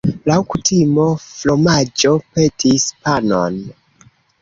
Laŭ kutimo, fromaĝo petis panon.